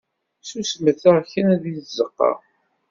Susmet-aɣ kra deg tzeqqa!